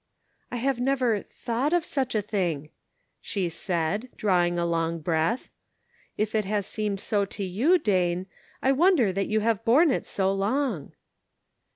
" I have never thought of such a thing," she said, drawing a long breath. " If it has seemed so to you, Dane, I wonder that you have borne it so long."